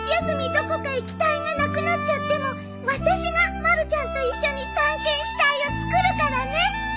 どこか行き隊がなくなっちゃっても私がまるちゃんと一緒に探検し隊をつくるからね！